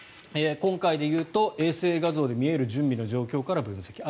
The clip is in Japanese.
今回で言うと衛星画像で見える準備の状況から分析。